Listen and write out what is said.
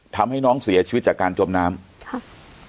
ทำให้น้องเสียชีวิตจากการจมน้ำครับ